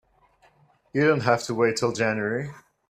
You don't have to wait till January.